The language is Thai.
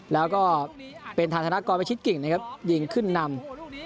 แล้วก็เป็นฐานธนากรพิชิตเก่งนะครับยิงขึ้นนำ